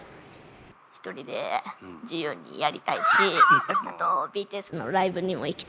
一人で自由にやりたいしあとＢＴＳのライブにも行きたい。